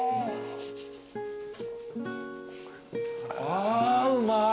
あうまっ。